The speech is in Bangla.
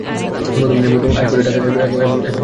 প্রথম দিনে মোট আয় করে টাকা এবং চার দিনে টাকা আয় করে।